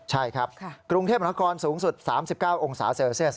ใช่ครับกรุงเทพมหานครสูงสุด๓๙องศาเซลเซียส